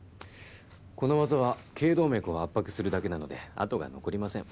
この技は頸動脈を圧迫するだけなので痕が残りません。